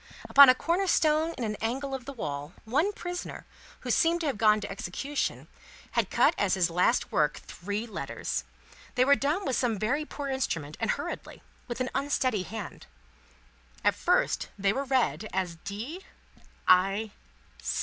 Upon a corner stone in an angle of the wall, one prisoner, who seemed to have gone to execution, had cut as his last work, three letters. They were done with some very poor instrument, and hurriedly, with an unsteady hand. At first, they were read as D. I.